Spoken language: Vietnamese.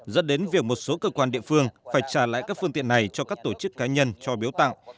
dẫn đến việc một số cơ quan địa phương phải trả lại các phương tiện này cho các tổ chức cá nhân cho biếu tặng